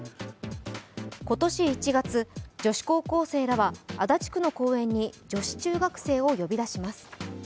今年１月、女子高校生らは足立区の公園に女子中学生を呼び出します。